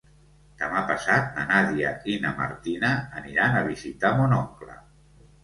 Demà passat na Nàdia i na Martina aniran a visitar mon oncle.